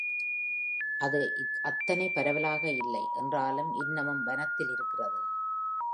அது அத்தனை பரவலாக இல்லை என்றாலும், இன்னமும் வனத்தில் இருக்கிறது.